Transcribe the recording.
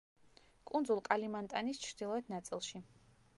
კუნძულ კალიმანტანის ჩრდილოეთ ნაწილში.